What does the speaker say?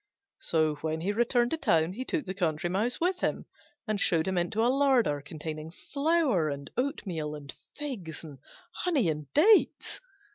So when he returned to town he took the Country Mouse with him, and showed him into a larder containing flour and oatmeal and figs and honey and dates.